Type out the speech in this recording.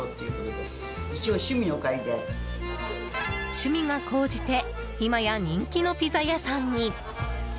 趣味が高じて今や人気のピザ屋さんに。